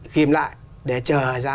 ghim lại để chờ giá